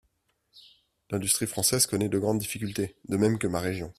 L’industrie française connaît de grandes difficultés, de même que ma région.